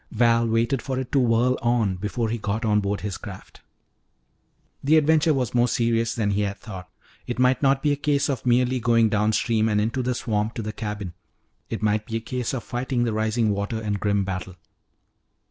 Val waited for it to whirl on before he got on board his craft. The adventure was more serious than he had thought. It might not be a case of merely going downstream and into the swamp to the cabin; it might be a case of fighting the rising water in grim battle.